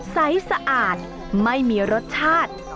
ใสสะอาดไม่มีรสชาติ